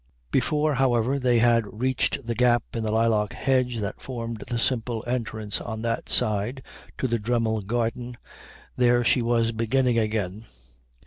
Before, however, they had reached the gap in the lilac hedge that formed the simple entrance on that side to the Dremmel garden there she was beginning again.